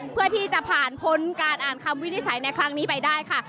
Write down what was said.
เพื่อที่จะผ่านพ้นการอ่านคำวินิจฉัยในครั้งนี้ไปได้ค่ะ